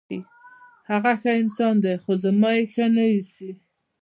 هغه ښه انسان دی، خو زما یې ښه نه ایسي.